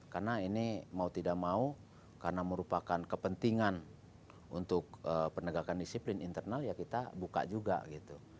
karena ini mau tidak mau karena merupakan kepentingan untuk penegakan disiplin internal ya kita buka juga gitu